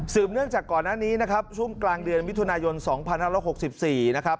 เนื่องจากก่อนหน้านี้นะครับช่วงกลางเดือนมิถุนายน๒๕๖๔นะครับ